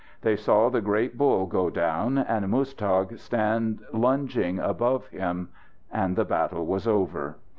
They saw the great bull go down and Muztagh stand lunging above him. And the battle was over.